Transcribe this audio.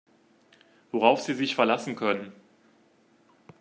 Worauf Sie sich verlassen können.